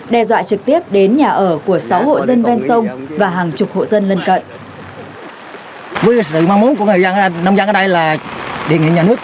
đe dọa trực tiếp đến nhà ở của sáu hộ dân ven sông và hàng chục hộ dân lân cận